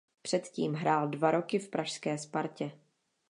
Předtím hrál dva roky v pražské Spartě.